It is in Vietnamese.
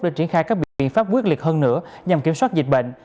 để triển khai các biện pháp quyết liệt hơn nữa nhằm kiểm soát dịch bệnh